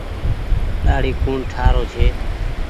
ڏآڙي ڪوڻ ٺآ رو ڇي۔